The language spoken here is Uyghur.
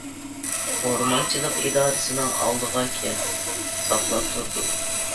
-ئورمانچىلىق ئىدارىسىنىڭ ئالدىغا كەل، ساقلاپ تۇردۇم.